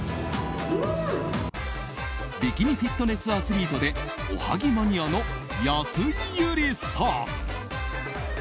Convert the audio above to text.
ビキニフィットネスアスリートでおはぎマニアの安井友梨さん。